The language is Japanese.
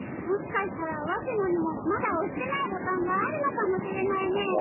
もしかしたらわしもにもまだおしてないボタンがあるのかもしれないね。